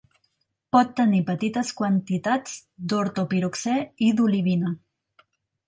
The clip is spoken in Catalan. Pot tenir petites quantitats d'ortopiroxè i d'olivina.